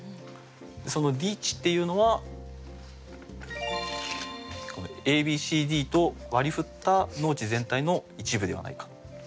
その「Ｄ地」っていうのはＡＢＣＤと割り振った農地全体の一部ではないか。